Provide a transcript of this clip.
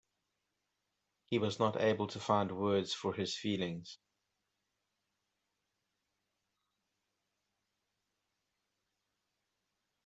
He was not able to find words for his feelings.